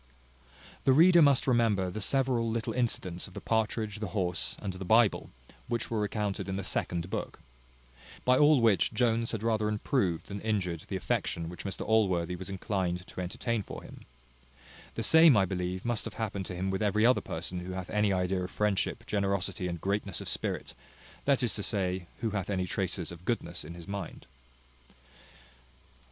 The reader must remember the several little incidents of the partridge, the horse, and the Bible, which were recounted in the second book. By all which Jones had rather improved than injured the affection which Mr Allworthy was inclined to entertain for him. The same, I believe, must have happened to him with every other person who hath any idea of friendship, generosity, and greatness of spirit, that is to say, who hath any traces of goodness in his mind.